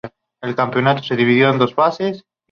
El Campeonato se dividió en dos fases.